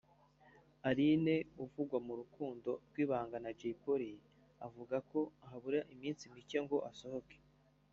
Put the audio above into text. Aline uvugwa mu rukundo rw’ibanga na Jay Polly avuga ko habura iminsi mike ngo asohoke